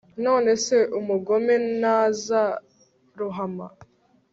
nonese Umugome ntazarohama